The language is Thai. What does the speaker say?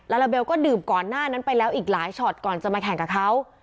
ลาลาเบลก็ดื่มก่อนหน้านั้นไปแล้วอีกหลายช็อตก่อนจะมาแข่งกับเขา